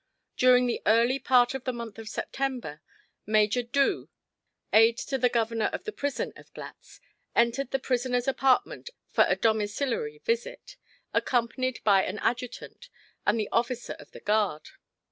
During the early part of the month of September, Major Doo, aide to the governor of the prison of Glatz, entered the prisoner's apartment for a domiciliary visit, accompanied by an adjutant and the officer of the guard.